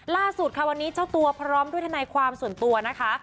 ล่าสุดค่ะวันนี้เจ้าตัวพร้อมด้วยทนายความส่วนตัวนะคะ